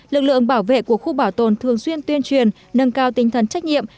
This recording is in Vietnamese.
lực lượng bảo vệ của khu bảo tồn thường xuyên tuyên truyền nâng cao tinh thần trách nhiệm